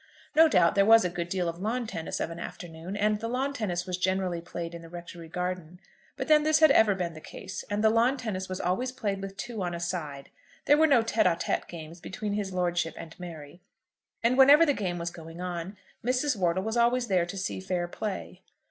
No doubt there was a good deal of lawn tennis of an afternoon, and the lawn tennis was generally played in the rectory garden. But then this had ever been the case, and the lawn tennis was always played with two on a side; there were no tête à tête games between his lordship and Mary, and whenever the game was going on, Mrs. Wortle was always there to see fair play.